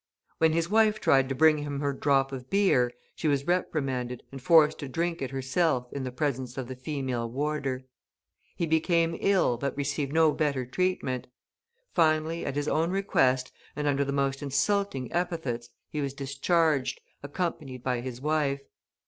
When his wife tried to bring him her drop of beer, she was reprimanded, and forced to drink it herself in the presence of the female warder. He became ill, but received no better treatment. Finally, at his own request, and under the most insulting epithets, he was discharged, accompanied by his wife.